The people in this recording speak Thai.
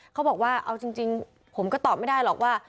เขาบอกว่าเอาจริงผมก็ตอบไม่ได้หรอกว่า